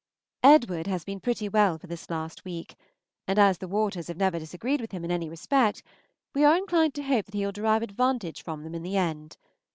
Edward has been pretty well for this last week, and as the waters have never disagreed with him in any respect, we are inclined to hope that he will derive advantage from them in the end.